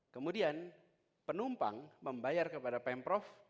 kemudian penumpang membayar kepada pemprov